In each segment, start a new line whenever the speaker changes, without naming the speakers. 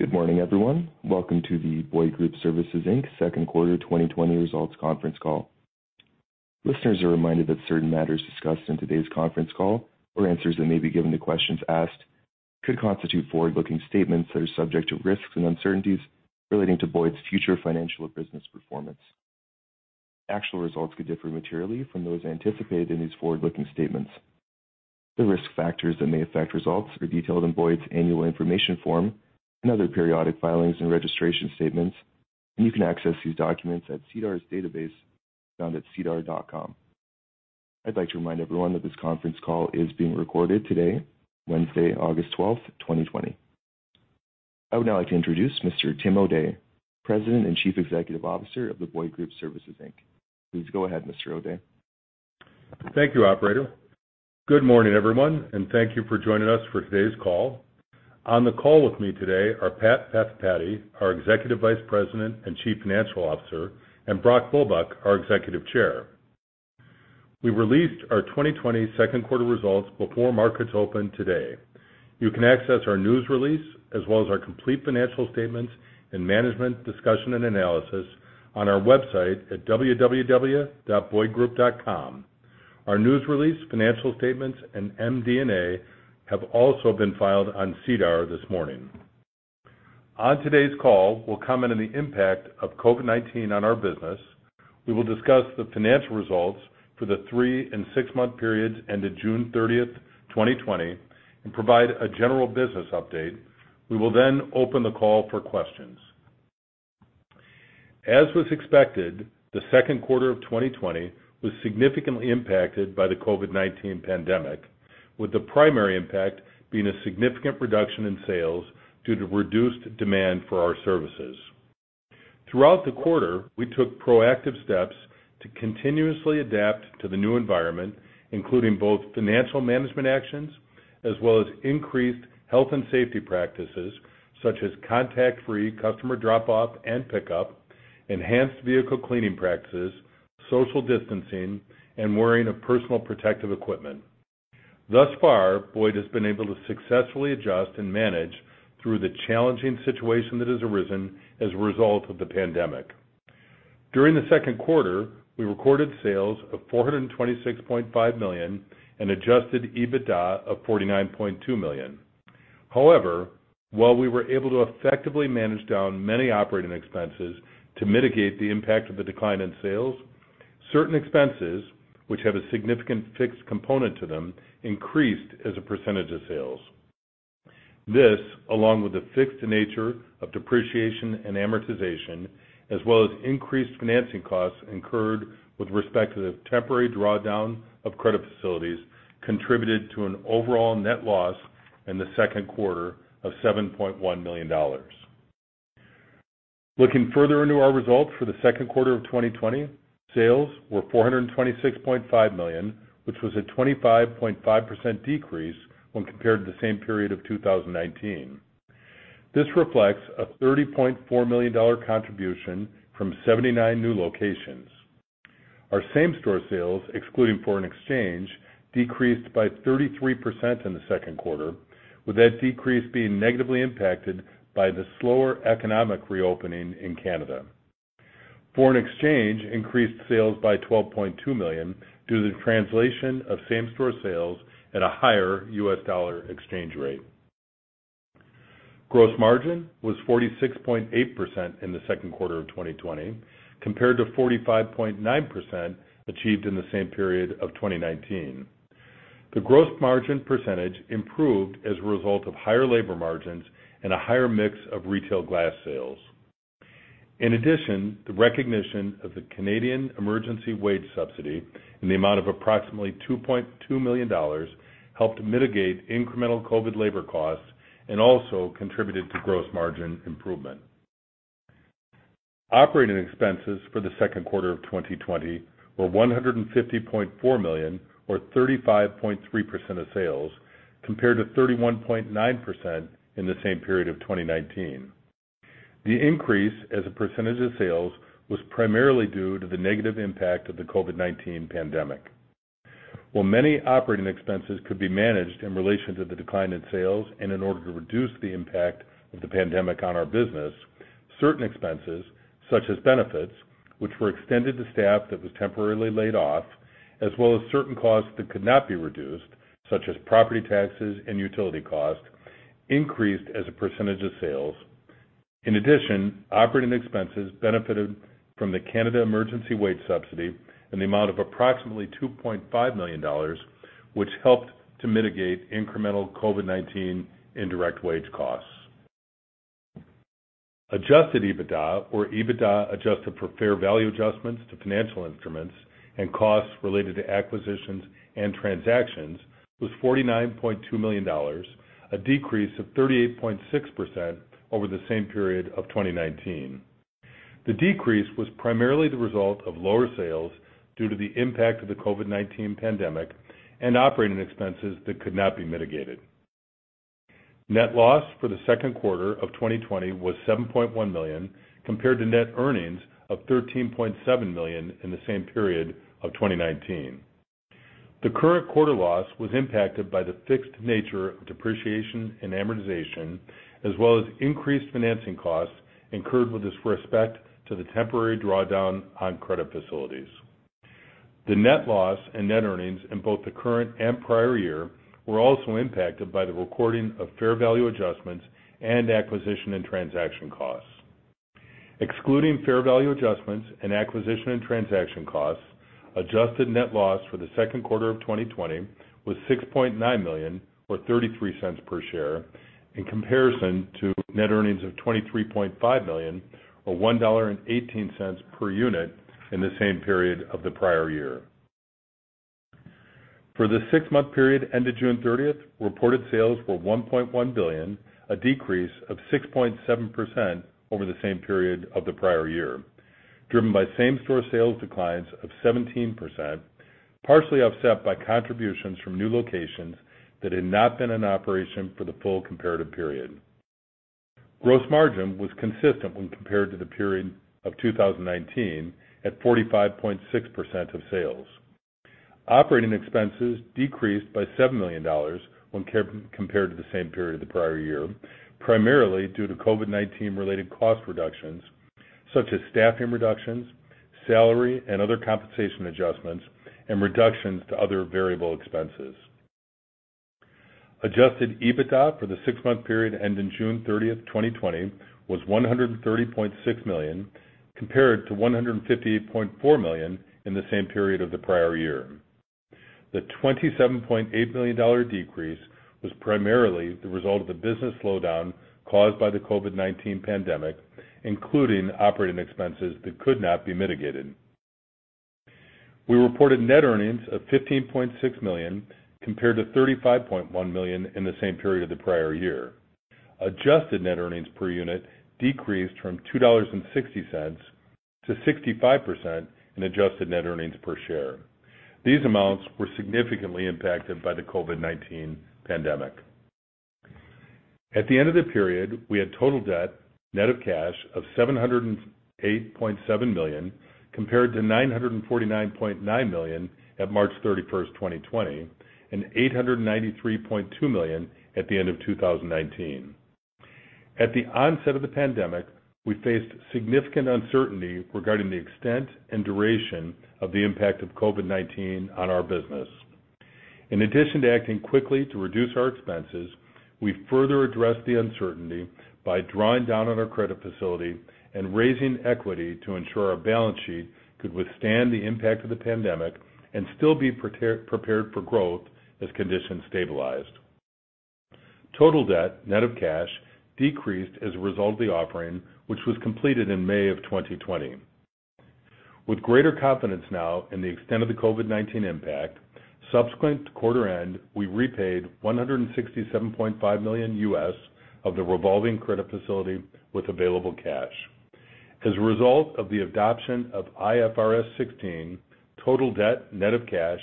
Good morning, everyone. Welcome to the Boyd Group Services Inc. Second Quarter 2020 Results Conference Call. Listeners are reminded that certain matters discussed in today's conference call, or answers that may be given to questions asked, could constitute forward-looking statements that are subject to risks and uncertainties relating to Boyd's future financial or business performance. Actual results could differ materially from those anticipated in these forward-looking statements. The risk factors that may affect results are detailed in Boyd's annual information form and other periodic filings and registration statements. You can access these documents at SEDAR's database found at sedar.com. I'd like to remind everyone that this conference call is being recorded today, Wednesday, August 12, 2020. I would now like to introduce Mr. Tim O'Day, President and Chief Executive Officer of the Boyd Group Services Inc. Please go ahead, Mr. O'Day.
Thank you, operator. Good morning, everyone, and thank you for joining us for today's call. On the call with me today are Pat Pathipati, our Executive Vice President and Chief Financial Officer, and Brock Bulbuck, our Executive Chair. We released our 2020 second quarter results before markets opened today. You can access our news release, as well as our complete financial statements and management discussion and analysis on our website at www.boydgroup.com. Our news release, financial statements, and MD&A have also been filed on SEDAR this morning. On today's call, we'll comment on the impact of COVID-19 on our business. We will discuss the financial results for the three and six-month periods ended June 30, 2020, and provide a general business update. We will then open the call for questions. As was expected, the second quarter of 2020 was significantly impacted by the COVID-19 pandemic, with the primary impact being a significant reduction in sales due to reduced demand for our services. Throughout the quarter, we took proactive steps to continuously adapt to the new environment, including both financial management actions as well as increased health and safety practices, such as contact-free customer drop-off and pickup, enhanced vehicle cleaning practices, social distancing, and wearing of personal protective equipment. Thus far, Boyd has been able to successfully adjust and manage through the challenging situation that has arisen as a result of the pandemic. During the second quarter, we recorded sales of 426.5 million and adjusted EBITDA of 49.2 million. While we were able to effectively manage down many operating expenses to mitigate the impact of the decline in sales, certain expenses, which have a significant fixed component to them, increased as a percentage of sales. This, along with the fixed nature of depreciation and amortization, as well as increased financing costs incurred with respect to the temporary drawdown of credit facilities, contributed to an overall net loss in the second quarter of 7.1 million dollars. Looking further into our results for the second quarter of 2020, sales were 426.5 million, which was a 25.5% decrease when compared to the same period of 2019. This reflects a 30.4 million dollar contribution from 79 new locations. Our same-store sales, excluding foreign exchange, decreased by 33% in the second quarter, with that decrease being negatively impacted by the slower economic reopening in Canada. Foreign exchange increased sales by $12.2 million due to the translation of same-store sales at a higher U.S. dollar exchange rate. Gross margin was 46.8% in the second quarter of 2020, compared to 45.9% achieved in the same period of 2019. The gross margin percentage improved as a result of higher labor margins and a higher mix of retail glass sales. In addition, the recognition of the Canada Emergency Wage Subsidy in the amount of approximately 2.2 million dollars helped mitigate incremental COVID-19 labor costs and also contributed to gross margin improvement. Operating expenses for the second quarter of 2020 were 150.4 million or 35.3% of sales, compared to 31.9% in the same period of 2019. The increase as a percentage of sales was primarily due to the negative impact of the COVID-19 pandemic. While many operating expenses could be managed in relation to the decline in sales and in order to reduce the impact of the pandemic on our business, certain expenses, such as benefits, which were extended to staff that was temporarily laid off, as well as certain costs that could not be reduced, such as property taxes and utility costs, increased as a percentage of sales. In addition, operating expenses benefited from the Canada Emergency Wage Subsidy in the amount of approximately 2.5 million dollars, which helped to mitigate incremental COVID-19 indirect wage costs. Adjusted EBITDA, or EBITDA adjusted for fair value adjustments to financial instruments and costs related to acquisitions and transactions, was 49.2 million dollars, a decrease of 38.6% over the same period of 2019. The decrease was primarily the result of lower sales due to the impact of the COVID-19 pandemic and operating expenses that could not be mitigated. Net loss for the second quarter of 2020 was 7.1 million, compared to net earnings of 13.7 million in the same period of 2019. The current quarter loss was impacted by the fixed nature of depreciation and amortization, as well as increased financing costs incurred with respect to the temporary drawdown on credit facilities. The net loss and net earnings in both the current and prior year were also impacted by the recording of fair value adjustments and acquisition and transaction costs. Excluding fair value adjustments and acquisition and transaction costs, adjusted net loss for the second quarter of 2020 was 6.9 million, or 0.33 per share, in comparison to net earnings of 23.5 million, or 1.18 dollar per unit, in the same period of the prior year. For the six-month period ended June 30th, reported sales were 1.1 billion, a decrease of 6.7% over the same period of the prior year, driven by same-store sales declines of 17%, partially offset by contributions from new locations that had not been in operation for the full comparative period. Gross margin was consistent when compared to the period of 2019, at 45.6% of sales. Operating expenses decreased by 7 million dollars when compared to the same period of the prior year, primarily due to COVID-19-related cost reductions such as staffing reductions, salary and other compensation adjustments, and reductions to other variable expenses. Adjusted EBITDA for the six-month period ending June 30th, 2020 was 130.6 million, compared to 158.4 million in the same period of the prior year. The 27.8 million dollar decrease was primarily the result of the business slowdown caused by the COVID-19 pandemic, including operating expenses that could not be mitigated. We reported net earnings of 15.6 million, compared to 35.1 million in the same period of the prior year. Adjusted net earnings per unit decreased from 2.60 dollars to 65% in adjusted net earnings per share. These amounts were significantly impacted by the COVID-19 pandemic. At the end of the period, we had total debt, net of cash, of 708.7 million, compared to 949.9 million at March 31st, 2020, and 893.2 million at the end of 2019. At the onset of the pandemic, we faced significant uncertainty regarding the extent and duration of the impact of COVID-19 on our business. In addition to acting quickly to reduce our expenses, we further addressed the uncertainty by drawing down on our credit facility and raising equity to ensure our balance sheet could withstand the impact of the pandemic and still be prepared for growth as conditions stabilized. Total debt, net of cash, decreased as a result of the offering, which was completed in May of 2020. With greater confidence now in the extent of the COVID-19 impact, subsequent to quarter end, we repaid $167.5 million of the revolving credit facility with available cash. As a result of the adoption of IFRS 16, total debt, net of cash,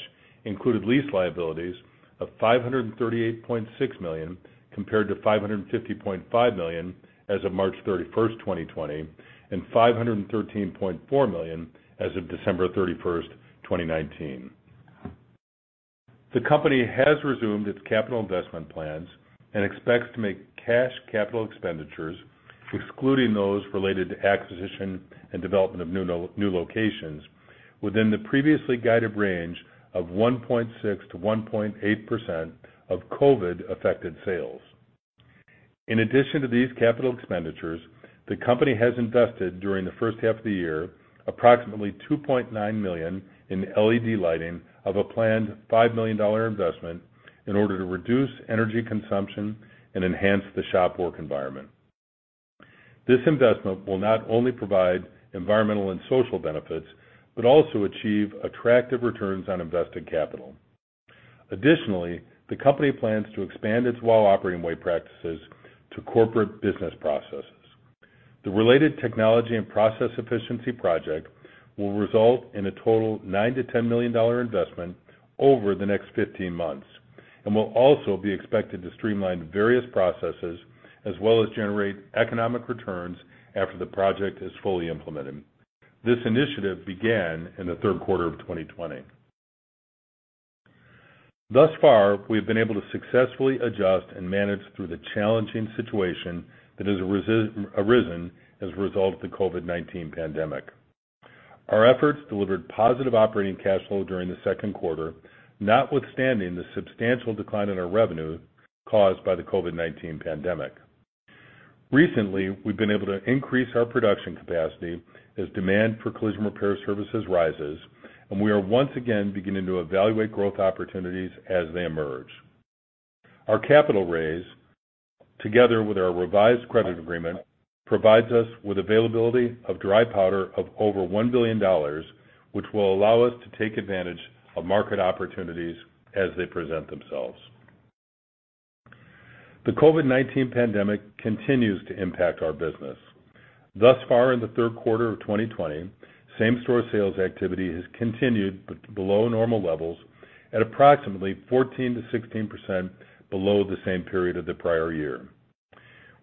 included lease liabilities of 538.6 million, compared to 550.5 million as of March 31st, 2020, and 513.4 million as of December 31st, 2019. The company has resumed its capital investment plans and expects to make cash capital expenditures, excluding those related to acquisition and development of new locations, within the previously guided range of 1.6%-1.8% of COVID-affected sales. In addition to these capital expenditures, the company has invested, during the first half of the year, approximately 2.9 million in LED lighting of a planned 5 million dollar investment in order to reduce energy consumption and enhance the shopwork environment. This investment will not only provide environmental and social benefits, but also achieve attractive returns on invested capital. Additionally, the company plans to expand its WOW Operating Way practices to corporate business processes. The related technology and process efficiency project will result in a total 9 million-10 million dollar investment over the next 15 months and will also be expected to streamline various processes as well as generate economic returns after the project is fully implemented. This initiative began in the third quarter of 2020. Thus far, we have been able to successfully adjust and manage through the challenging situation that has arisen as a result of the COVID-19 pandemic. Our efforts delivered positive operating cash flow during the second quarter, notwithstanding the substantial decline in our revenue caused by the COVID-19 pandemic. Recently, we've been able to increase our production capacity as demand for collision repair services rises, and we are once again beginning to evaluate growth opportunities as they emerge. Our capital raise, together with our revised credit agreement, provides us with availability of dry powder of over 1 billion dollars, which will allow us to take advantage of market opportunities as they present themselves. The COVID-19 pandemic continues to impact our business. Thus far in the third quarter of 2020, same-store sales activity has continued below normal levels at approximately 14%-16% below the same period of the prior year.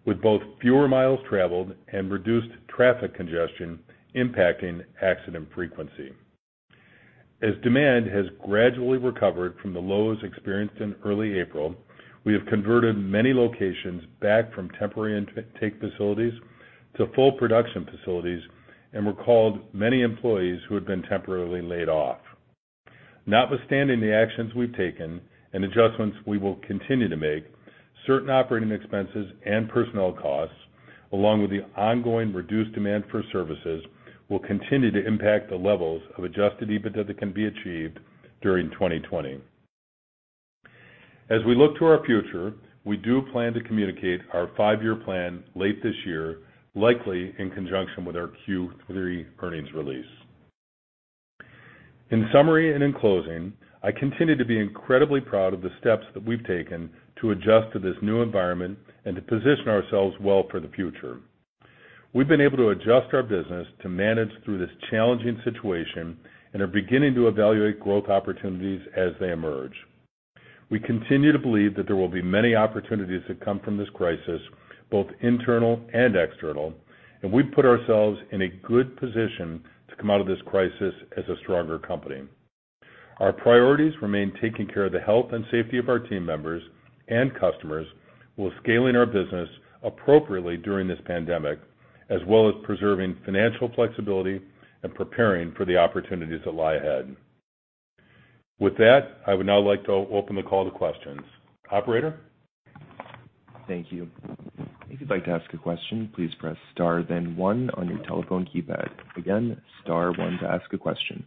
With both fewer miles traveled and reduced traffic congestion impacting accident frequency. As demand has gradually recovered from the lows experienced in early April, we have converted many locations back from temporary intake facilities to full production facilities and recalled many employees who had been temporarily laid off. Notwithstanding the actions we've taken and adjustments we will continue to make, certain operating expenses and personnel costs, along with the ongoing reduced demand for services, will continue to impact the levels of adjusted EBITDA that can be achieved during 2020. As we look to our future, we do plan to communicate our five-year plan late this year, likely in conjunction with our Q3 earnings release. In summary and in closing, I continue to be incredibly proud of the steps that we've taken to adjust to this new environment and to position ourselves well for the future. We've been able to adjust our business to manage through this challenging situation and are beginning to evaluate growth opportunities as they emerge. We continue to believe that there will be many opportunities that come from this crisis, both internal and external, and we've put ourselves in a good position to come out of this crisis as a stronger company. Our priorities remain taking care of the health and safety of our team members and customers while scaling our business appropriately during this pandemic, as well as preserving financial flexibility and preparing for the opportunities that lie ahead. With that, I would now like to open the call to questions. Operator?
Thank you. If you'd like to ask a question, please press star then one on your telephone keypad. Again, star one to ask a question.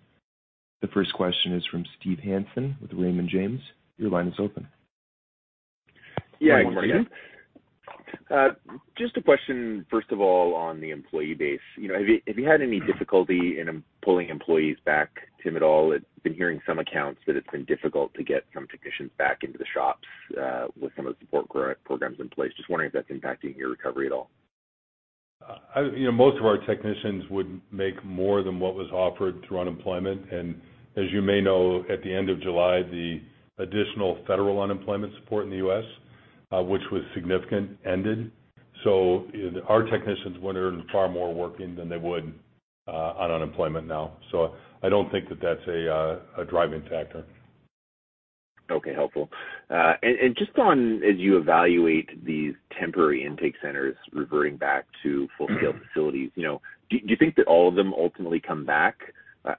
The first question is from Steve Hansen with Raymond James. Your line is open.
Yeah, good morning.
One moment for you.
Just a question, first of all, on the employee base. Have you had any difficulty in pulling employees back, Tim, at all? I've been hearing some accounts that it's been difficult to get some technicians back into the shops with some of the support programs in place. Just wondering if that's impacting your recovery at all.
Most of our technicians would make more than what was offered through unemployment. As you may know, at the end of July, the additional federal unemployment support in the U.S., which was significant, ended. Our technicians would earn far more working than they would on unemployment now. I don't think that that's a driving factor.
Okay, helpful. Just on, as you evaluate these temporary intake centers reverting back to full-scale facilities, do you think that all of them ultimately come back?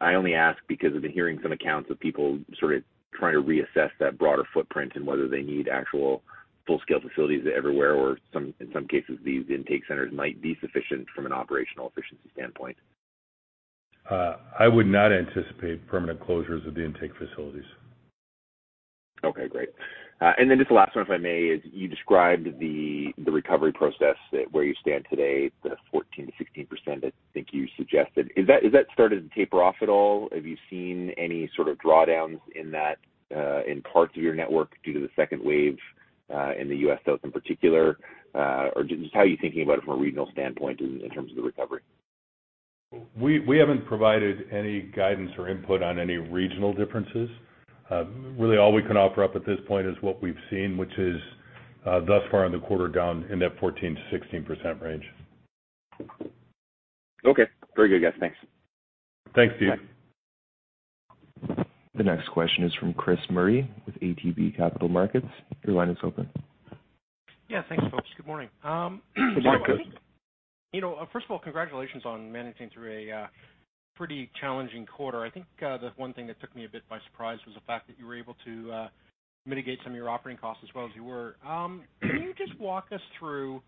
I only ask because I've been hearing some accounts of people sort of trying to reassess that broader footprint and whether they need actual full-scale facilities everywhere, or in some cases, these intake centers might be sufficient from an operational efficiency standpoint.
I would not anticipate permanent closures of the intake facilities.
Okay, great. Just the last one, if I may, is you described the recovery process, where you stand today, the 14%-16% I think you suggested. Has that started to taper off at all? Have you seen any sort of drawdowns in parts of your network due to the second wave in the U.S. South in particular? Just how are you thinking about it from a regional standpoint in terms of the recovery?
We haven't provided any guidance or input on any regional differences. Really all we can offer up at this point is what we've seen, which is thus far in the quarter down in that 14%-16% range.
Okay. Very good, guys. Thanks.
Thanks, Steve.
Bye.
The next question is from Chris Murray with ATB Capital Markets. Your line is open.
Yeah, thanks, folks. Good morning.
Good morning, Chris.
First of all, congratulations on managing through a pretty challenging quarter. I think the one thing that took me a bit by surprise was the fact that you were able to mitigate some of your operating costs as well as you were. Can you just walk us through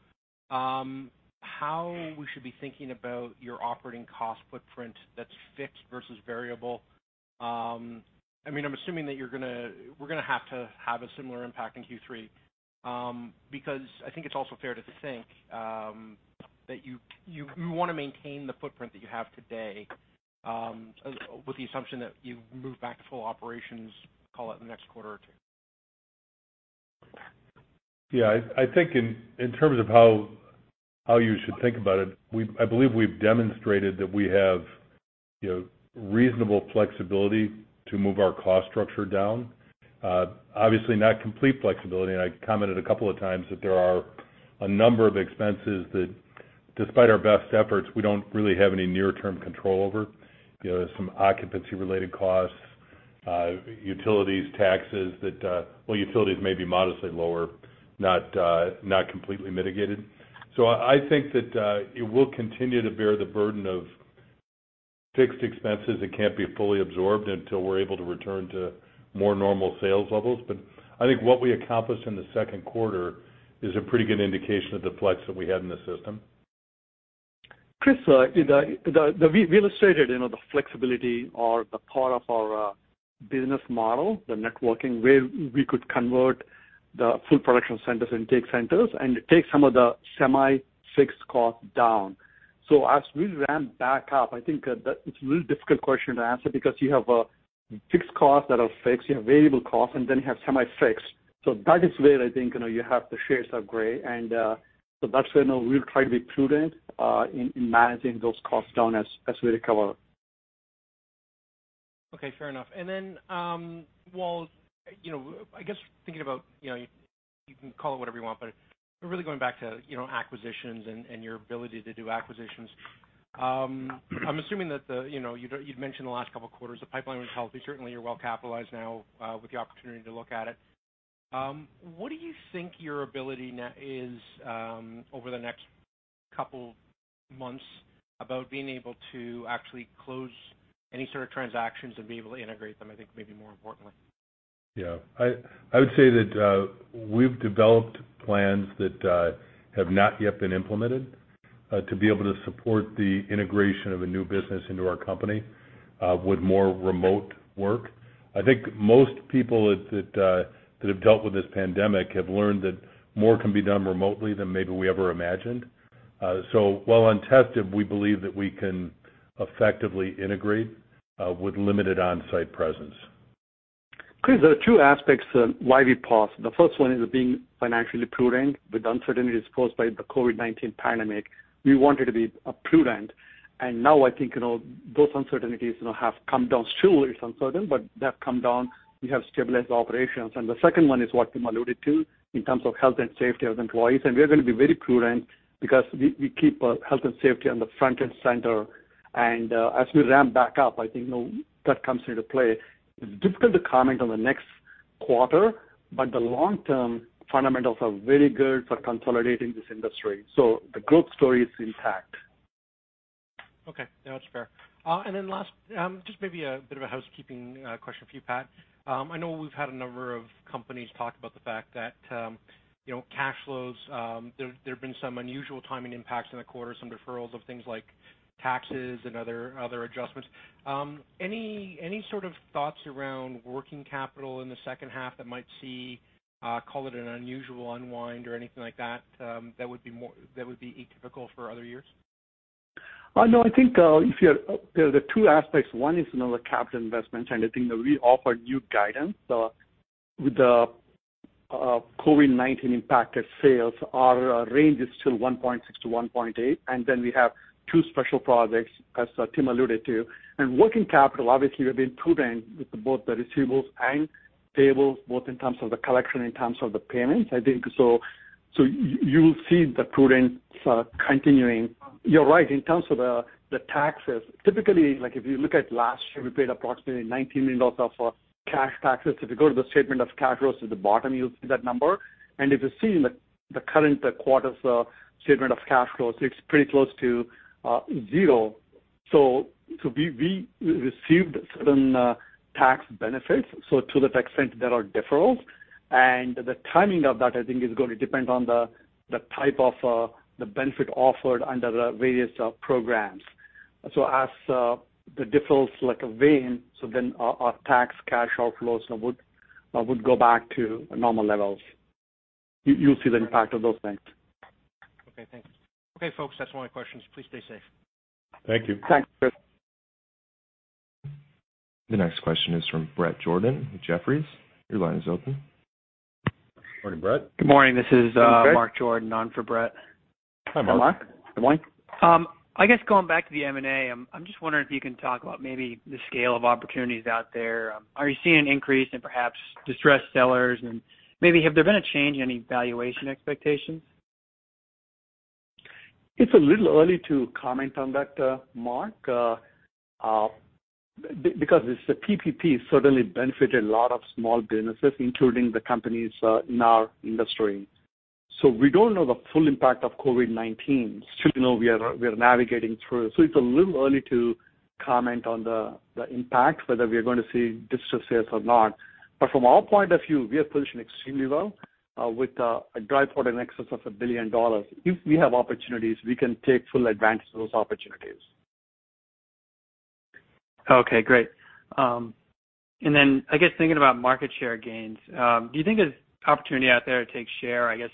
how we should be thinking about your operating cost footprint that's fixed versus variable? I'm assuming that we're going to have to have a similar impact in Q3 because I think it's also fair to think that you want to maintain the footprint that you have today with the assumption that you move back to full operations, call it in the next quarter or two.
Yeah. I think in terms of how you should think about it, I believe we've demonstrated that we have reasonable flexibility to move our cost structure down. Obviously, not complete flexibility. I commented a couple of times that there are a number of expenses that despite our best efforts, we don't really have any near-term control over. There's some occupancy-related costs, utilities, taxes. Well, utilities may be modestly lower, not completely mitigated. I think that it will continue to bear the burden of fixed expenses that can't be fully absorbed until we're able to return to more normal sales levels. I think what we accomplished in the second quarter is a pretty good indication of the flex that we had in the system.
Chris, we illustrated the flexibility or the part of our business model, the networking, where we could convert the full production centers, intake centers, take some of the semi-fixed cost down. As we ramp back up, I think that it's a really difficult question to answer because you have fixed costs that are fixed, you have variable costs, then you have semi-fixed. That is where I think you have the shades of gray, that's where we'll try to be prudent in managing those costs down as we recover.
Okay, fair enough. Well, I guess thinking about, you can call it whatever you want, but really going back to acquisitions and your ability to do acquisitions. I'm assuming that you'd mentioned the last couple of quarters, the pipeline was healthy. Certainly, you're well-capitalized now with the opportunity to look at it. What do you think your ability is over the next couple months about being able to actually close any sort of transactions and be able to integrate them, I think, maybe more importantly?
Yeah. I would say that we've developed plans that have not yet been implemented to be able to support the integration of a new business into our company with more remote work. I think most people that have dealt with this pandemic have learned that more can be done remotely than maybe we ever imagined. While untested, we believe that we can effectively integrate with limited on-site presence.
Chris, there are two aspects why we paused. The first one is being financially prudent with uncertainties caused by the COVID-19 pandemic. We wanted to be prudent, and now I think those uncertainties have come down. Still is uncertain, but they have come down. We have stabilized operations. The second one is what Tim alluded to in terms of health and safety of employees, and we are going to be very prudent because we keep health and safety on the front and center. As we ramp back up, I think that comes into play. It's difficult to comment on the next quarter, but the long-term fundamentals are very good for consolidating this industry. The growth story is intact.
Okay. No, that's fair. Last, just maybe a bit of a housekeeping question for you, Pat. I know we've had a number of companies talk about the fact that cash flows, there have been some unusual timing impacts in the quarter, some deferrals of things like taxes and other adjustments. Any sort of thoughts around working capital in the second half that might see, call it an unusual unwind or anything like that would be atypical for other years?
No, I think there are the two aspects. One is another capital investments, and I think that we offer new guidance with the COVID-19 impact at sales. Our range is still 1.6-1.8, and then we have two special projects, as Tim alluded to. Working capital, obviously, we have been prudent with both the receivables and payables, both in terms of the collection, in terms of the payments, I think. You'll see the prudence continuing. You're right. In terms of the taxes, typically, if you look at last year, we paid approximately 19 million dollars of cash taxes. If you go to the statement of cash flows at the bottom, you'll see that number. If you see in the current quarter's statement of cash flows, it's pretty close to zero. We received certain tax benefits, to the extent there are deferrals. The timing of that, I think, is going to depend on the type of the benefit offered under the various programs. As the deferrals wane, so then our tax cash outflows would go back to normal levels. You'll see the impact of those things.
Okay, thanks. Okay, folks, that's all my questions. Please stay safe.
Thank you.
Thanks, Chris.
The next question is from Bret Jordan, Jefferies. Your line is open.
Morning, Bret.
Good morning. This is Mark Jordan on for Bret.
Hi, Mark.
Mark, good morning.
I guess going back to the M&A, I'm just wondering if you can talk about maybe the scale of opportunities out there. Are you seeing an increase in perhaps distressed sellers, maybe have there been a change in any valuation expectations?
It's a little early to comment on that, Mark, because the PPP certainly benefited a lot of small businesses, including the companies in our industry. We don't know the full impact of COVID-19. Still we are navigating through. It's a little early to comment on the impact, whether we are going to see distressed sales or not. From our point of view, we are positioned extremely well with a dry powder in excess of 1 billion dollars. If we have opportunities, we can take full advantage of those opportunities.
Okay, great. I guess thinking about market share gains, do you think there's opportunity out there to take share? I guess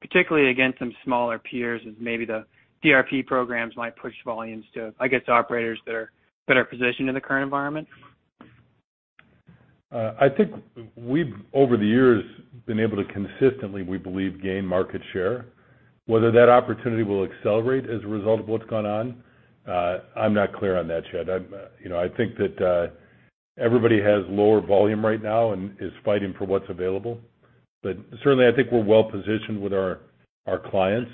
particularly against some smaller peers as maybe the DRP programs might push volumes to, I guess, operators that are better positioned in the current environment?
I think we've, over the years, been able to consistently, we believe, gain market share. Whether that opportunity will accelerate as a result of what's gone on, I'm not clear on that yet. I think that everybody has lower volume right now and is fighting for what's available. Certainly, I think we're well-positioned with our clients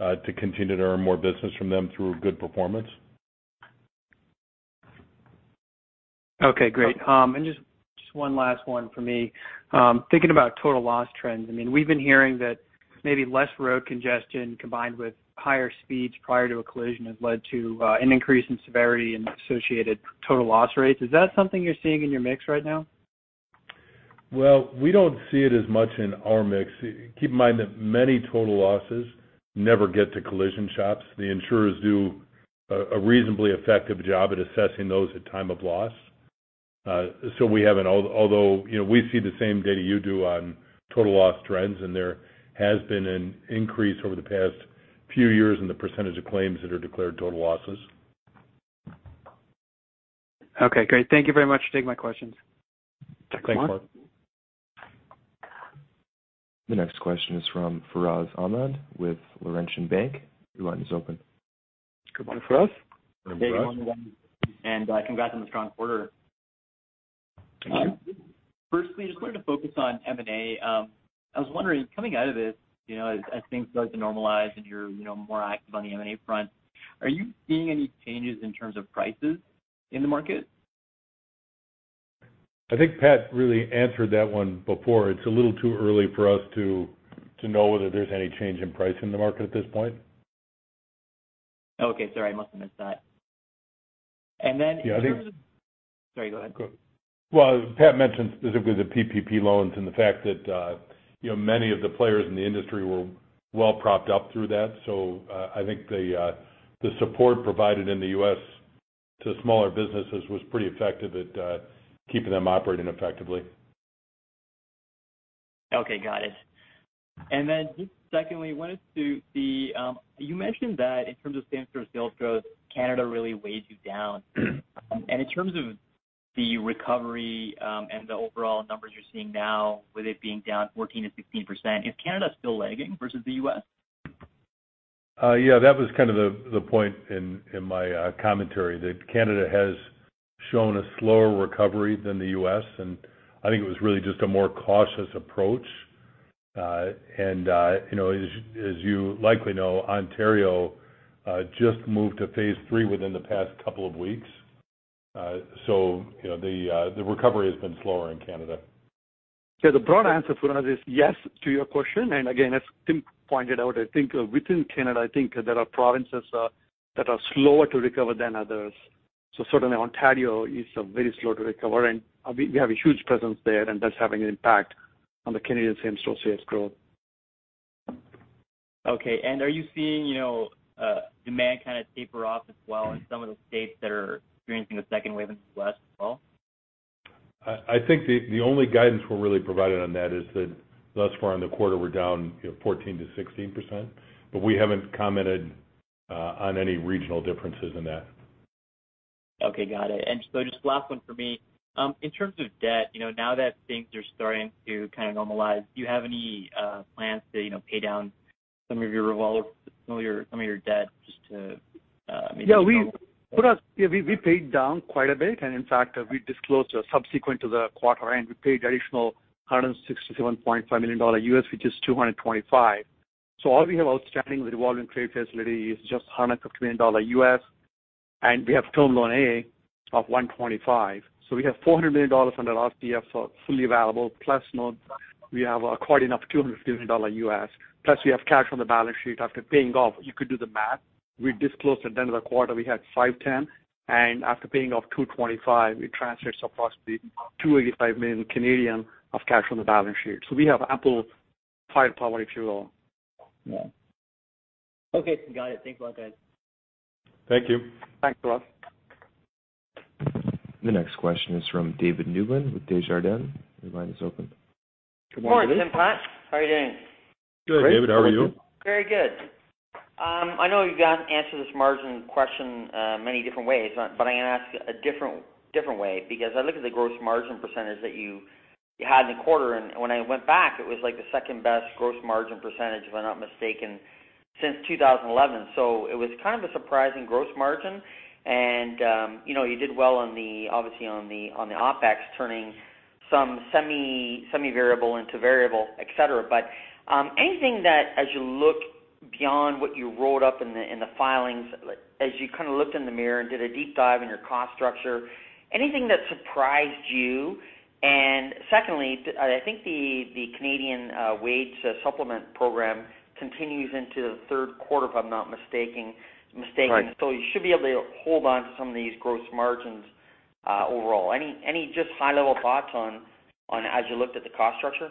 to continue to earn more business from them through good performance.
Okay, great. Just one last one for me. Thinking about total loss trends, we've been hearing that maybe less road congestion combined with higher speeds prior to a collision has led to an increase in severity and associated total loss rates. Is that something you're seeing in your mix right now?
We don't see it as much in our mix. Keep in mind that many total losses never get to collision shops. The insurers do a reasonably effective job at assessing those at time of loss. Although we see the same data you do on total loss trends, there has been an increase over the past few years in the percentage of claims that are declared total losses.
Okay, great. Thank you very much for taking my questions.
Thanks, Mark.
The next question is from Faraz Ahmad with Laurentian Bank. Your line is open.
Good morning, Faraz.
Good morning. Congrats on the strong quarter.
Thank you.
Firstly, just wanted to focus on M&A. I was wondering, coming out of this, as things start to normalize and you're more active on the M&A front, are you seeing any changes in terms of prices in the market?
I think Pat really answered that one before. It is a little too early for us to know whether there is any change in price in the market at this point.
Okay. Sorry, I must have missed that. Then in terms of-
Yeah, I think-
Sorry, go ahead.
As Pat mentioned, specifically the PPP loans and the fact that many of the players in the industry were well propped up through that. I think the support provided in the U.S. to smaller businesses was pretty effective at keeping them operating effectively.
Okay, got it. Just secondly, wanted to see, you mentioned that in terms of same-store sales growth, Canada really weighs you down. In terms of the recovery, and the overall numbers you're seeing now, with it being down 14%-16%, is Canada still lagging versus the U.S.?
That was kind of the point in my commentary, that Canada has shown a slower recovery than the U.S., I think it was really just a more cautious approach. As you likely know, Ontario just moved to phase 3 within the past couple of weeks. The recovery has been slower in Canada. The broad answer, Faraz, is yes to your question, again, as Tim pointed out, I think within Canada, I think there are provinces that are slower to recover than others. Certainly Ontario is very slow to recover, and we have a huge presence there, and that's having an impact on the Canadian same-store sales growth.
Okay, are you seeing demand kind of taper off as well in some of the states that are experiencing a second wave in the West as well?
I think the only guidance we're really providing on that is that thus far in the quarter, we're down 14%-16%, we haven't commented on any regional differences in that.
Okay, got it. Just last one for me. In terms of debt, now that things are starting to kind of normalize, do you have any plans to pay down some of your debt just to?
Faraz, we paid down quite a bit, in fact, we disclosed subsequent to the quarter end. We paid additional $167.5 million USD, which is 225 million. All we have outstanding with revolving trade facility is just $150 million USD, we have term loan A of 125 million. We have 400 million dollars under RTF, fully available, plus notes. We have according to $250 million USD, plus we have cash on the balance sheet after paying off. You could do the math. We disclosed at the end of the quarter, we had 510 million, after paying off 225 million, it transfers approximately 285 million of cash on the balance sheet. We have ample firepower, if you will. Yeah.
Okay, got it. Thanks a lot, guys.
Thank you.
Thanks, Faraz.
The next question is from David Newman with Desjardins. Your line is open.
Good morning, David.
Good morning, Tim, Pat. How are you doing?
Good, David. How are you?
Very good. I know you guys answered this margin question many different ways. I am going to ask a different way, because I look at the gross margin percentage that you had in the quarter, and when I went back, it was like the second-best gross margin percentage, if I am not mistaken, since 2011. It was kind of a surprising gross margin. You did well, obviously on the OpEx, turning some semi-variable into variable, et cetera. Anything that as you look beyond what you rolled up in the filings, as you kind of looked in the mirror and did a deep dive in your cost structure, anything that surprised you? Secondly, I think the Canada Emergency Wage Subsidy continues into the third quarter, if I am not mistaken.
Right.
You should be able to hold onto some of these gross margins overall. Any just high-level thoughts on as you looked at the cost structure?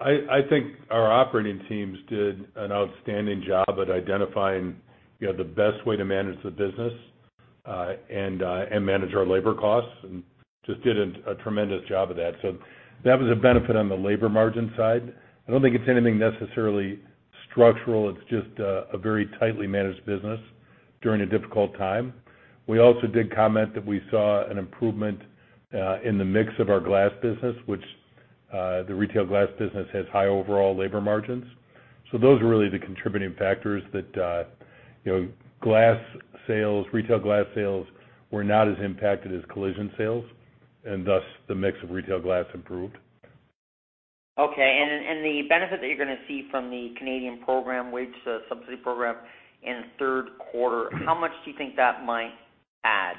I think our operating teams did an outstanding job at identifying the best way to manage the business, and manage our labor costs, just did a tremendous job of that. That was a benefit on the labor margin side. I don't think it's anything necessarily structural. It's just a very tightly managed business during a difficult time. We also did comment that we saw an improvement in the mix of our glass business, which the retail glass business has high overall labor margins. Those are really the contributing factors that retail glass sales were not as impacted as collision sales, and thus the mix of retail glass improved.
Okay, and the benefit that you're going to see from the Canadian program, wage subsidy program in the third quarter, how much do you think that might add?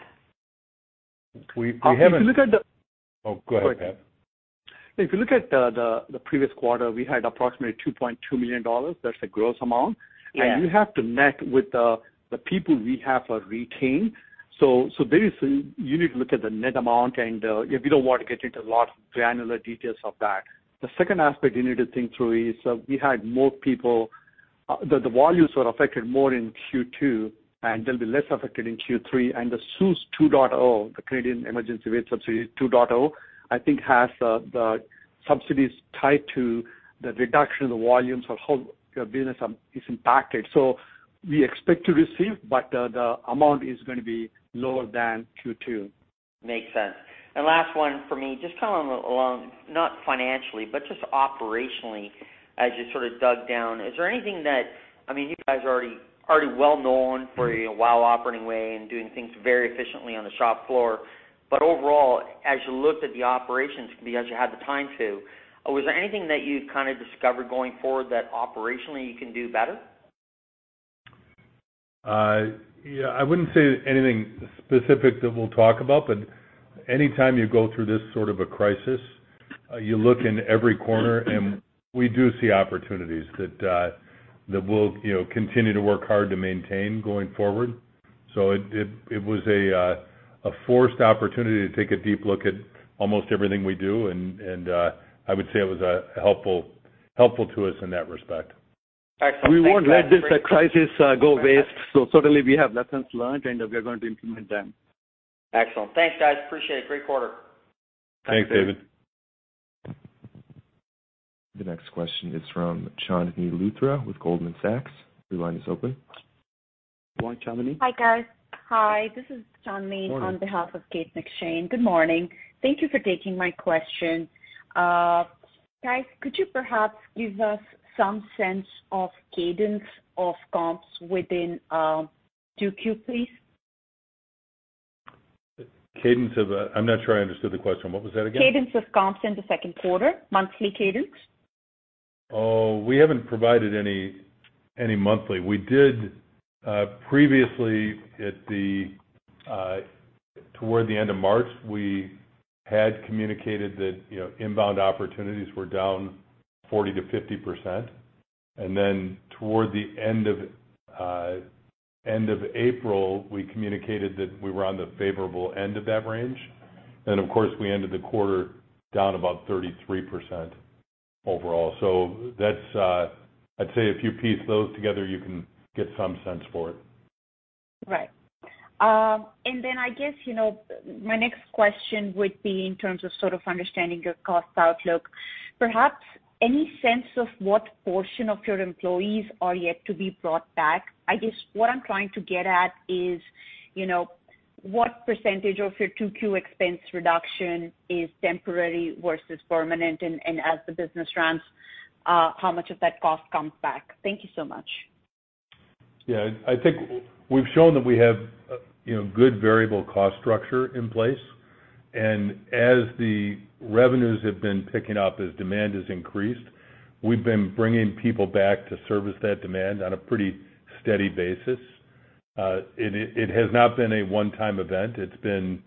Oh, go ahead, Pat.
If you look at the previous quarter, we had approximately 2.2 million dollars. That's the gross amount.
Yeah.
You have to net with the people we have retained. You need to look at the net amount, we don't want to get into a lot of granular details of that. The second aspect you need to think through is the volumes were affected more in Q2, they'll be less affected in Q3. The CEWS 2.0, the Canada Emergency Wage Subsidy 2.0, I think has the subsidies tied to the reduction in the volumes of how business is impacted. We expect to receive, the amount is going to be lower than Q2.
Last one for me, just along, not financially, but just operationally, as you sort of dug down, I mean, you guys are already well-known for your WOW Operating Way and doing things very efficiently on the shop floor. Overall, as you looked at the operations, because you had the time to, was there anything that you kind of discovered going forward that operationally you can do better?
I wouldn't say anything specific that we'll talk about. Any time you go through this sort of a crisis, you look in every corner. We do see opportunities that we'll continue to work hard to maintain going forward. It was a forced opportunity to take a deep look at almost everything we do. I would say it was helpful to us in that respect.
Excellent. Thank you guys.
We won't let this crisis go waste. Certainly we have lessons learned. We are going to implement them.
Excellent. Thanks, guys. Appreciate it. Great quarter.
Thanks, David.
The next question is from Chandni Luthra with Goldman Sachs. Your line is open.
Go on, Chandni.
Hi, guys. Hi, this is Chandni.
Morning
on behalf of Kate McShane. Good morning. Thank you for taking my question. Guys, could you perhaps give us some sense of cadence of comps within 2Q, please?
I'm not sure I understood the question. What was that again?
Cadence of comps in the second quarter, monthly cadence.
Oh, we haven't provided any monthly. We did previously toward the end of March, we had communicated that inbound opportunities were down 40%-50%. Toward the end of April, we communicated that we were on the favorable end of that range. Of course, we ended the quarter down about 33% overall. I'd say if you piece those together, you can get some sense for it.
Right. I guess my next question would be in terms of sort of understanding your cost outlook. Perhaps any sense of what portion of your employees are yet to be brought back? I guess what I'm trying to get at is what % of your 2Q expense reduction is temporary versus permanent? As the business ramps, how much of that cost comes back? Thank you so much.
Yeah, I think we've shown that we have a good variable cost structure in place. As the revenues have been picking up, as demand has increased, we've been bringing people back to service that demand on a pretty steady basis. It has not been a one-time event. It's been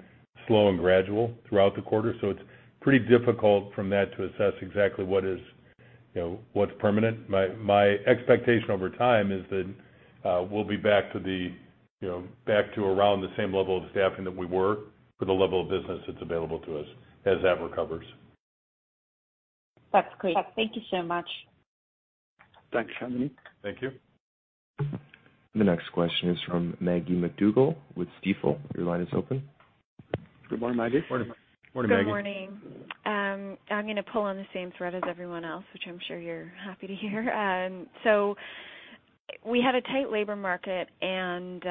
slow and gradual throughout the quarter. It's pretty difficult from that to assess exactly what's permanent. My expectation over time is that we'll be back to around the same level of staffing that we were for the level of business that's available to us as that recovers.
That's great. Thank you so much.
Thanks, Chandni.
Thank you.
The next question is from Maggie MacDougall with Stifel. Your line is open.
Good morning, Maggie.
Morning, Maggie.
Good morning. I'm going to pull on the same thread as everyone else, which I'm sure you're happy to hear. We had a tight labor market, and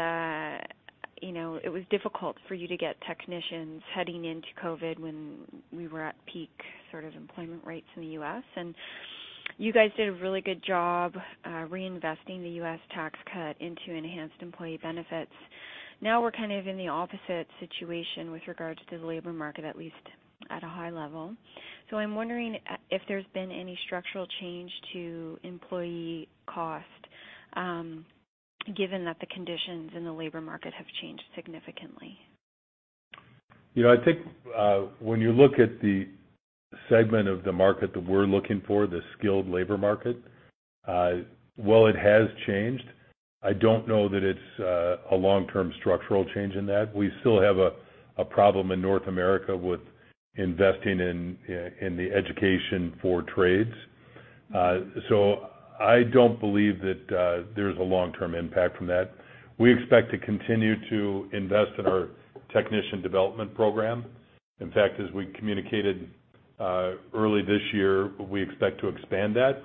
it was difficult for you to get technicians heading into COVID-19 when we were at peak sort of employment rates in the U.S. You guys did a really good job reinvesting the U.S. tax cut into enhanced employee benefits. Now we're kind of in the opposite situation with regards to the labor market, at least at a high level. I'm wondering if there's been any structural change to employee cost, given that the conditions in the labor market have changed significantly.
I think when you look at the segment of the market that we're looking for, the skilled labor market, while it has changed, I don't know that it's a long-term structural change in that. We still have a problem in North America with investing in the education for trades. I don't believe that there's a long-term impact from that. We expect to continue to invest in our technician development program. In fact, as we communicated early this year, we expect to expand that.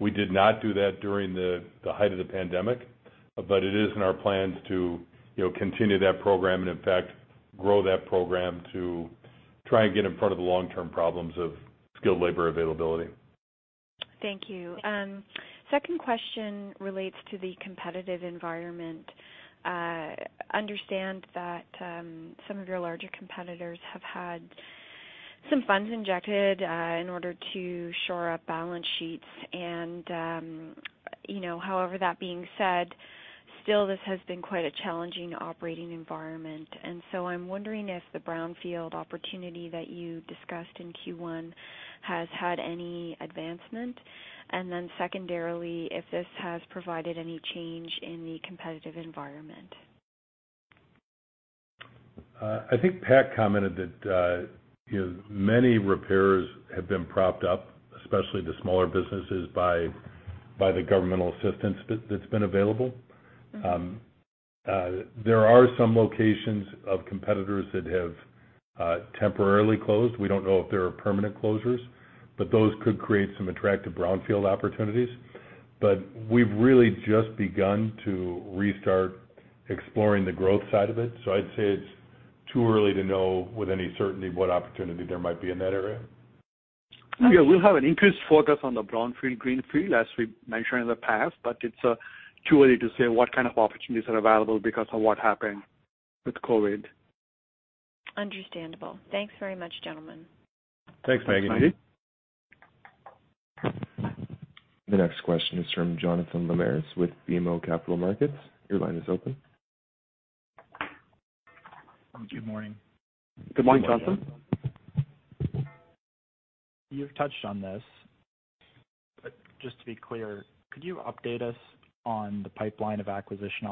We did not do that during the height of the pandemic, but it is in our plans to continue that program and, in fact, grow that program to try and get in front of the long-term problems of skilled labor availability.
Thank you. Second question relates to the competitive environment. Understand that some of your larger competitors have had some funds injected in order to shore up balance sheets. That being said, still this has been quite a challenging operating environment. I'm wondering if the brownfield opportunity that you discussed in Q1 has had any advancement. Secondarily, if this has provided any change in the competitive environment.
I think Pat commented that many repairers have been propped up, especially the smaller businesses, by the governmental assistance that's been available. There are some locations of competitors that have temporarily closed. We don't know if they are permanent closures, but those could create some attractive brownfield opportunities. We've really just begun to restart exploring the growth side of it. I'd say it's too early to know with any certainty what opportunity there might be in that area.
Yeah, we'll have an increased focus on the brownfield, greenfield, as we mentioned in the past, but it's too early to say what kind of opportunities are available because of what happened with COVID.
Understandable. Thanks very much, gentlemen.
Thanks, Maggie.
Thanks.
The next question is from Jonathan Lamers with BMO Capital Markets. Your line is open.
Good morning.
Good morning, Jonathan.
Good morning.
You've touched on this, but just to be clear, could you update us on the pipeline of acquisition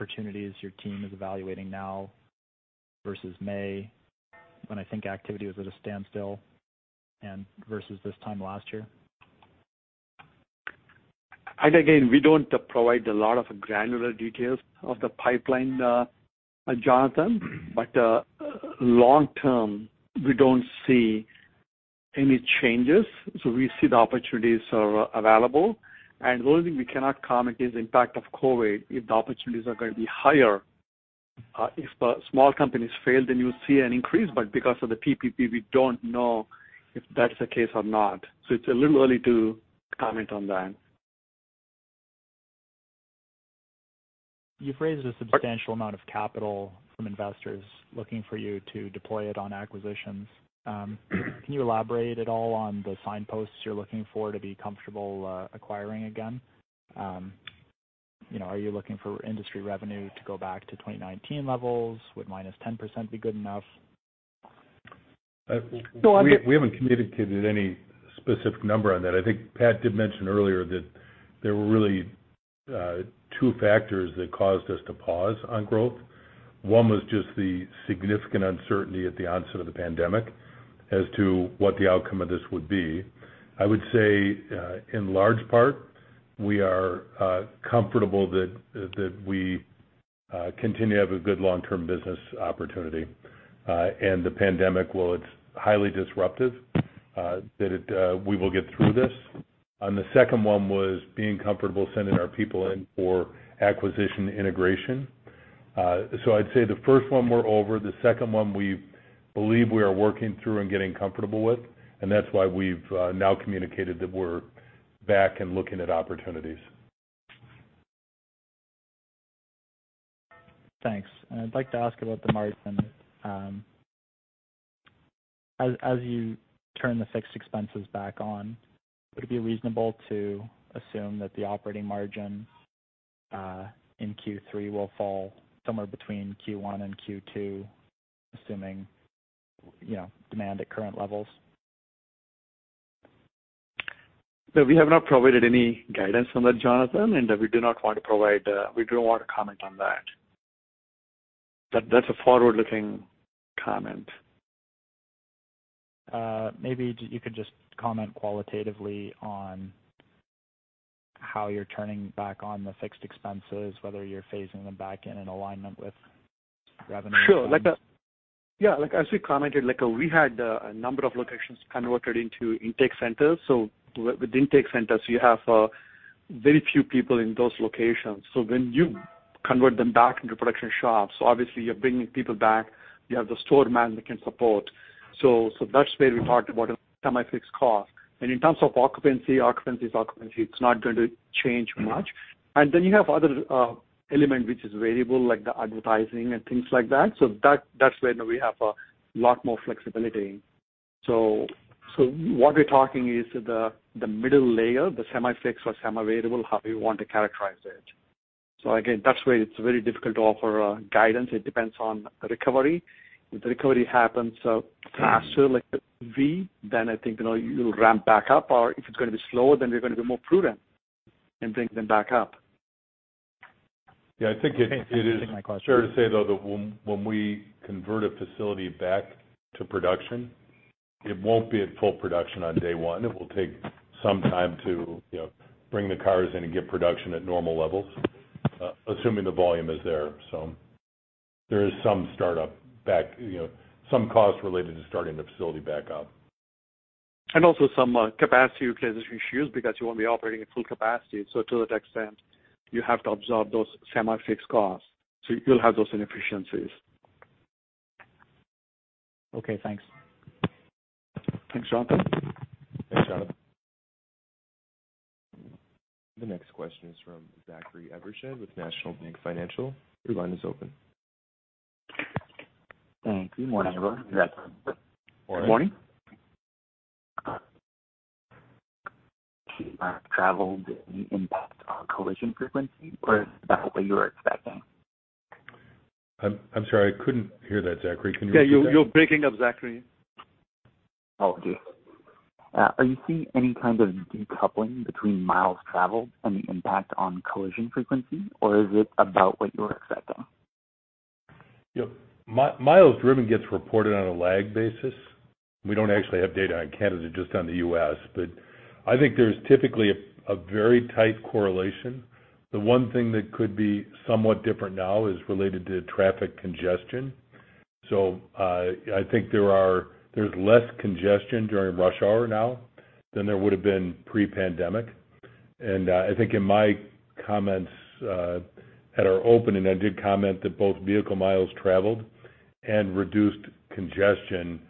opportunities your team is evaluating now versus May, when I think activity was at a standstill, and versus this time last year?
Again, we don't provide a lot of granular details of the pipeline, Jonathan. Long term, we don't see any changes. We see the opportunities are available. The only thing we cannot comment is impact of COVID, if the opportunities are going to be higher. If small companies fail, then you see an increase, but because of the PPP, we don't know if that's the case or not. It's a little early to comment on that.
You've raised a substantial amount of capital from investors looking for you to deploy it on acquisitions. Can you elaborate at all on the signposts you're looking for to be comfortable acquiring again? Are you looking for industry revenue to go back to 2019 levels? Would minus 10% be good enough?
We haven't communicated any specific number on that. I think Pat did mention earlier that there were really two factors that caused us to pause on growth. One was just the significant uncertainty at the onset of the pandemic as to what the outcome of this would be. I would say, in large part, we are comfortable that we continue to have a good long-term business opportunity. The pandemic, while it's highly disruptive, that we will get through this. The second one was being comfortable sending our people in for acquisition integration. I'd say the first one we're over, the second one we believe we are working through and getting comfortable with, and that's why we've now communicated that we're back and looking at opportunities.
Thanks. I'd like to ask about the margin. As you turn the fixed expenses back on, would it be reasonable to assume that the operating margin in Q3 will fall somewhere between Q1 and Q2, assuming demand at current levels?
No, we have not provided any guidance on that, Jonathan, and we do not want to comment on that. That's a forward-looking comment.
Maybe you could just comment qualitatively on how you're turning back on the fixed expenses, whether you're phasing them back in in alignment with revenue.
Sure. As we commented, we had a number of locations converted into intake centers. With intake centers, you have very few people in those locations. When you convert them back into production shops, obviously you're bringing people back. You have the store management support. That's where we talked about a semi-fixed cost. In terms of occupancy, it's not going to change much. Then you have other element which is variable, like the advertising and things like that. That's where we have a lot more flexibility. What we're talking is the middle layer, the semi-fixed or semi-variable, how you want to characterize it. Again, that's why it's very difficult to offer guidance. It depends on the recovery. If the recovery happens faster, like a V, then I think you'll ramp back up, or if it's going to be slower, then we're going to be more prudent in bringing them back up.
Yeah, I think it is-
I think that's my question
Fair to say, though, that when we convert a facility back to production, it won't be at full production on day one. It will take some time to bring the cars in and get production at normal levels, assuming the volume is there. There is some startup back, some costs related to starting the facility back up.
Also some capacity utilization issues because you won't be operating at full capacity. To that extent, you have to absorb those semi-fixed costs. You'll have those inefficiencies.
Okay, thanks.
Thanks, Jonathan.
Thanks, Jonathan. The next question is from Zachary Evershed with National Bank Financial. Your line is open.
Thank you. Morning, everyone.
Morning.
Morning. Miles traveled, any impact on collision frequency, or is that what you were expecting?
I'm sorry, I couldn't hear that, Zachary. Can you repeat that?
Yeah, you're breaking up, Zachary.
Apologies. Are you seeing any kind of decoupling between miles traveled and the impact on collision frequency, or is it about what you were expecting?
Miles driven gets reported on a lag basis. We don't actually have data on Canada, just on the U.S., but I think there's typically a very tight correlation. The one thing that could be somewhat different now is related to traffic congestion. I think there's less congestion during rush hour now than there would have been pre-pandemic. I think in my comments at our opening, I did comment that both vehicle miles traveled and reduced congestion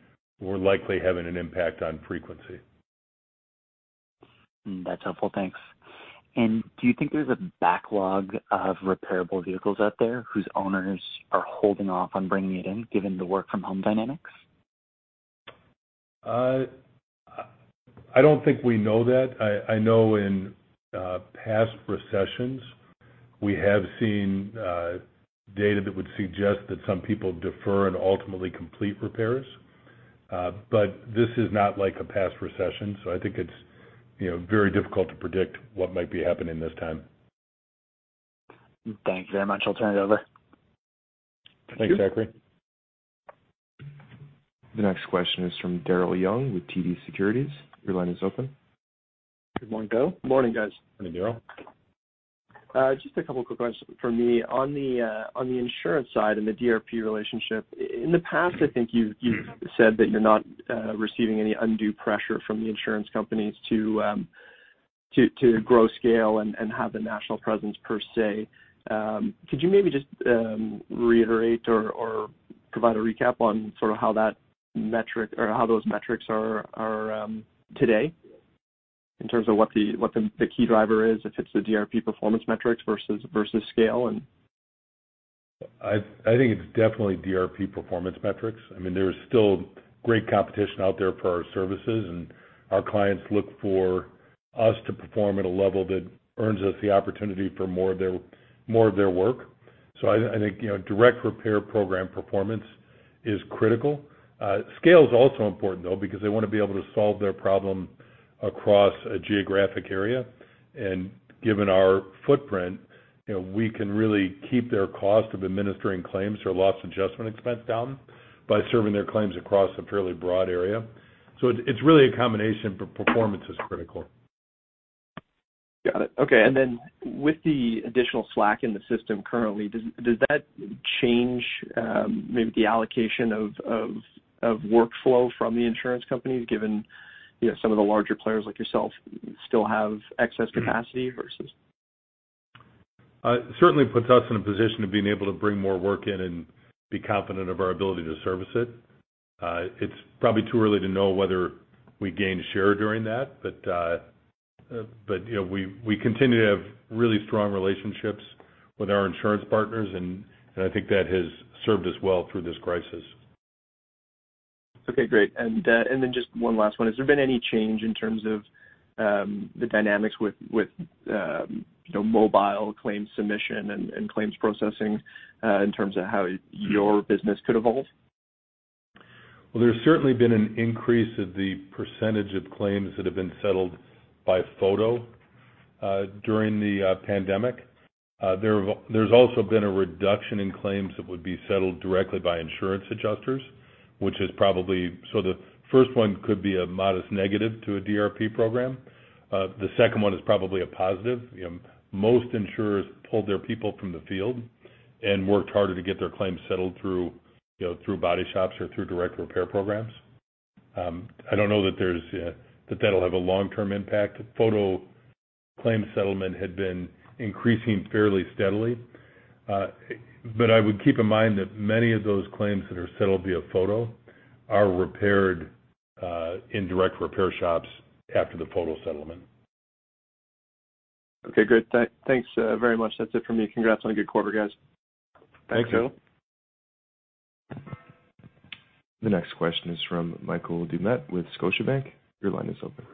were likely having an impact on frequency.
That's helpful. Thanks. Do you think there's a backlog of repairable vehicles out there whose owners are holding off on bringing it in, given the work from home dynamics?
I don't think we know that. I know in past recessions, we have seen data that would suggest that some people defer and ultimately complete repairs. This is not like a past recession, I think it's very difficult to predict what might be happening this time.
Thanks very much. I'll turn it over.
Thanks, Zachary.
The next question is from Daryl Young with TD Securities. Your line is open.
Good morning, Bill. Morning, guys.
Morning, Daryl.
Just a couple quick questions from me. On the insurance side and the DRP relationship, in the past, I think you've said that you're not receiving any undue pressure from the insurance companies to grow scale and have the national presence, per se. Could you maybe just reiterate or provide a recap on how those metrics are today in terms of what the key driver is, if it's the DRP performance metrics versus scale and?
I think it's definitely DRP performance metrics. There's still great competition out there for our services, and our clients look for us to perform at a level that earns us the opportunity for more of their work. I think, Direct Repair Program performance is critical. Scale is also important, though, because they want to be able to solve their problem across a geographic area. Given our footprint, we can really keep their cost of administering claims or loss adjustment expense down by serving their claims across a fairly broad area. It's really a combination, but performance is critical.
Got it. Okay. Then with the additional slack in the system currently, does that change maybe the allocation of workflow from the insurance companies, given some of the larger players like yourself still have excess capacity versus?
It certainly puts us in a position of being able to bring more work in and be confident of our ability to service it. It's probably too early to know whether we gained share during that, We continue to have really strong relationships with our insurance partners, I think that has served us well through this crisis.
Okay, great. Then just one last one. Has there been any change in terms of the dynamics with mobile claims submission and claims processing in terms of how your business could evolve?
There's certainly been an increase of the percentage of claims that have been settled by photo during the pandemic. There's also been a reduction in claims that would be settled directly by insurance adjusters. The first one could be a modest negative to a DRP program. The second one is probably a positive. Most insurers pulled their people from the field and worked harder to get their claims settled through body shops or through Direct Repair Programs. I don't know that that'll have a long-term impact. Photo claims settlement had been increasing fairly steadily. I would keep in mind that many of those claims that are settled via photo are repaired in direct repair shops after the photo settlement.
Okay, great. Thanks very much. That's it for me. Congrats on a good quarter, guys.
Thanks, Daryl.
The next question is from Michael Doumet with Scotiabank. Your line is open.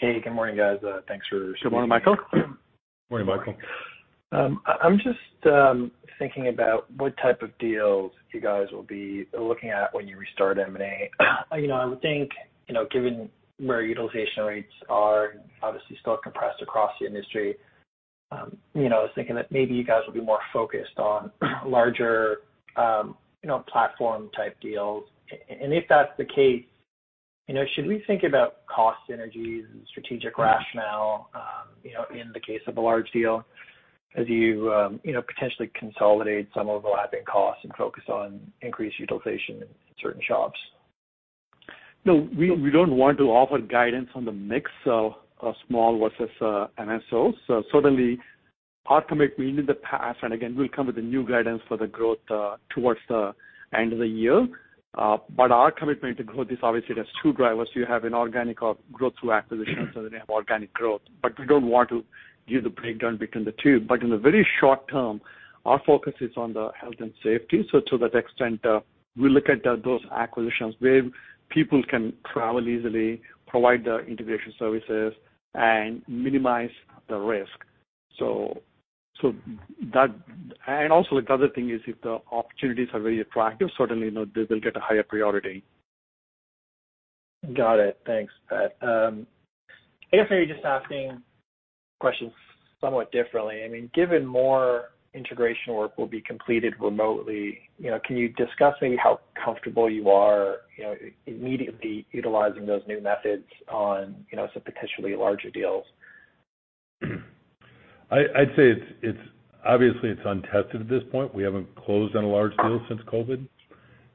Hey, good morning, guys.
Good morning, Michael.
I'm just thinking about what type of deals you guys will be looking at when you restart M&A. I would think, given where utilization rates are obviously still compressed across the industry, I was thinking that maybe you guys will be more focused on larger platform type deals. If that's the case, should we think about cost synergies and strategic rationale in the case of a large deal as you potentially consolidate some overlapping costs and focus on increased utilization in certain shops?
No, we don't want to offer guidance on the mix of small versus MSOs. Certainly, our commitment in the past, again, we'll come with a new guidance for the growth towards the end of the year. Our commitment to growth is obviously, it has two drivers. You have an organic growth through acquisitions, they have organic growth. We don't want to give the breakdown between the two. In the very short term, our focus is on the health and safety. To that extent, we look at those acquisitions where people can travel easily, provide the integration services, and minimize the risk. Also, the other thing is if the opportunities are very attractive, certainly they will get a higher priority.
Got it. Thanks. If I were just asking questions somewhat differently. Given more integration work will be completed remotely, can you discuss maybe how comfortable you are immediately utilizing those new methods on some potentially larger deals?
I'd say, obviously it's untested at this point. We haven't closed on a large deal since COVID.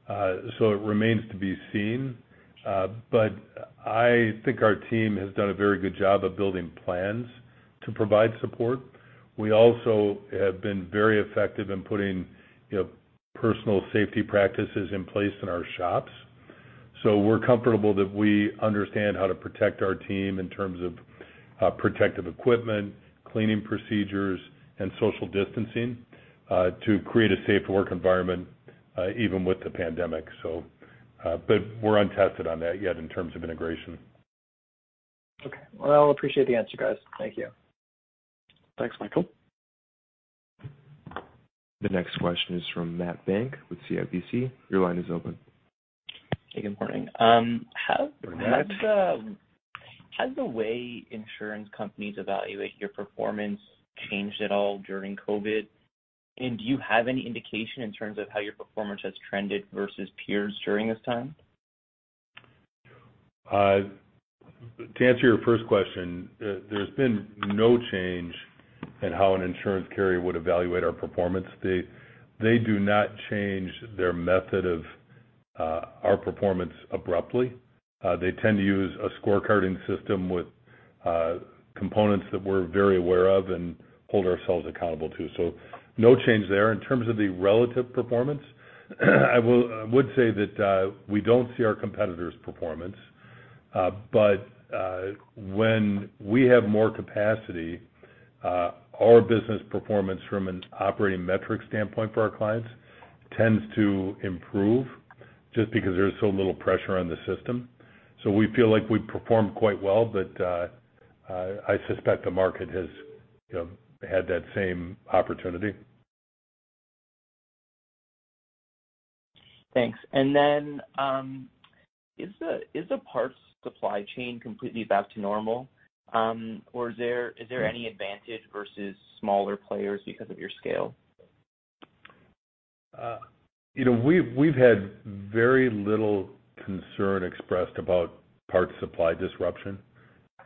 It remains to be seen. I think our team has done a very good job of building plans to provide support. We also have been very effective in putting personal safety practices in place in our shops. We're comfortable that we understand how to protect our team in terms of protective equipment, cleaning procedures, and social distancing, to create a safe work environment even with the pandemic. We're untested on that yet in terms of integration.
Okay. Well, I appreciate the answer, guys. Thank you.
Thanks, Michael.
The next question is from Matt Bank with CIBC. Your line is open.
Hey, good morning.
Good morning.
Has the way insurance companies evaluate your performance changed at all during COVID-19? Do you have any indication in terms of how your performance has trended versus peers during this time?
To answer your first question, there's been no change in how an insurance carrier would evaluate our performance. They do not change their method of our performance abruptly. They tend to use a scorecarding system with components that we're very aware of and hold ourselves accountable to. No change there. In terms of the relative performance, I would say that we don't see our competitors' performance. When we have more capacity, our business performance from an operating metric standpoint for our clients tends to improve just because there's so little pressure on the system. We feel like we perform quite well, but I suspect the market has had that same opportunity.
Thanks. Is the parts supply chain completely back to normal? Is there any advantage versus smaller players because of your scale?
We've had very little concern expressed about parts supply disruption.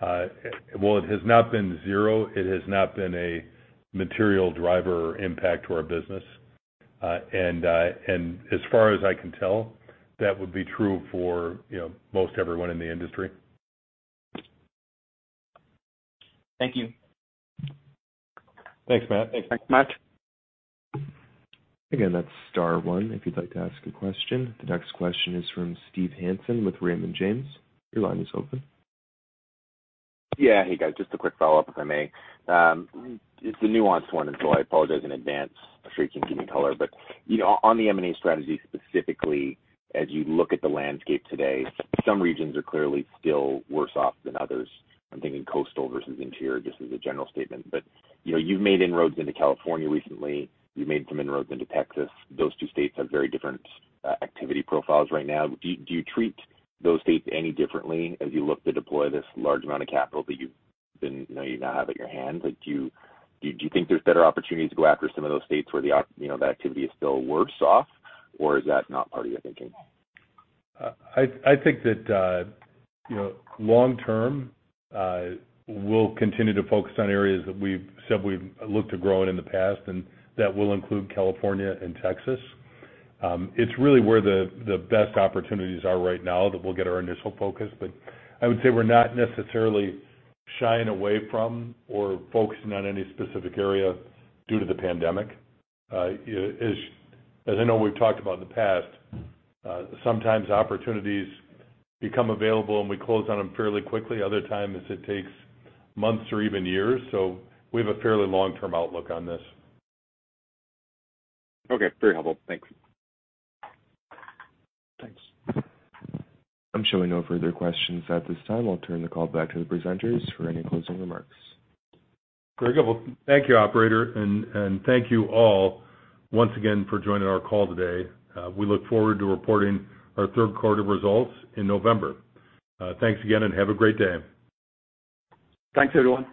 While it has not been zero, it has not been a material driver impact to our business. As far as I can tell, that would be true for most everyone in the industry.
Thank you.
Thanks, Matt.
Thanks, Matt.
Again, that's star one if you'd like to ask a question. The next question is from Steve Hansen with Raymond James. Your line is open.
Yeah. Hey, guys, just a quick follow-up, if I may. It's a nuanced one. I apologize in advance. I'm sure you can give me color on the M&A strategy specifically, as you look at the landscape today, some regions are clearly still worse off than others. I'm thinking coastal versus interior, just as a general statement. You've made inroads into California recently. You've made some inroads into Texas. Those two states have very different activity profiles right now. Do you treat those states any differently as you look to deploy this large amount of capital that you now have at your hand? Do you think there's better opportunities to go after some of those states where the activity is still worse off? Is that not part of your thinking?
I think that long term, we'll continue to focus on areas that we've said we've looked to grow in in the past. That will include California and Texas. It's really where the best opportunities are right now that will get our initial focus. I would say we're not necessarily shying away from or focusing on any specific area due to the pandemic. As I know we've talked about in the past, sometimes opportunities become available. We close on them fairly quickly. Other times, it takes months or even years. We have a fairly long-term outlook on this.
Okay. Very helpful. Thanks.
Thanks.
I'm showing no further questions at this time. I'll turn the call back to the presenters for any closing remarks.
Very good. Well, thank you, operator, and thank you all once again for joining our call today. We look forward to reporting our third quarter results in November. Thanks again, and have a great day.
Thanks, everyone.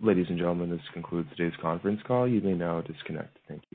Ladies and gentlemen, this concludes today's conference call. You may now disconnect. Thank you.